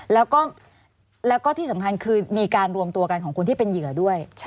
แล้วก็ที่สำคัญคือมีการรวมตัวกันของคนที่เป็นเหยื่อด้วย